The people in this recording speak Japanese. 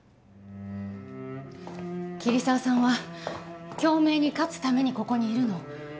桐沢さんは京明に勝つためにここにいるの。